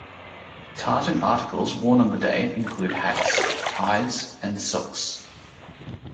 Tartan articles worn on the day include hats, ties and socks.